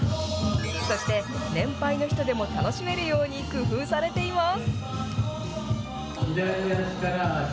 そして年配の人でも楽しめるように工夫されています。